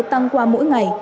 tăng qua mỗi ngày